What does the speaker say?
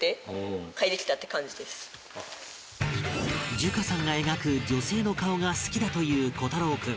寿華さんが描く女性の顔が好きだという虎太朗君